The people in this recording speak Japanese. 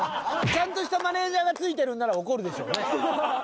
ちゃんとしたマネジャーがついてるなら怒るでしょうね。